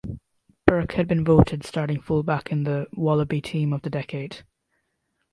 Burke has been voted starting fullback in the "Wallaby Team of the Decade".